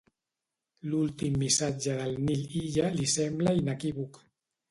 L'últim missatge del Nil Illa li sembla inequívoc.